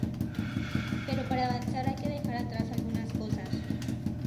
Pero, para avanzar hay que dejar atrás algunas cosas.